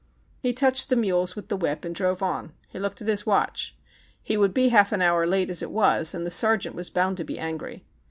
He touched the mules with the whip and drove on. He looked at his watch. He would be half an hour late as it was, and the sergeant was bound to be angry.